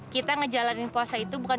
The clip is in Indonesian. kita ngejalanin puasa itu bukan